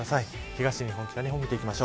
東日本北日本です。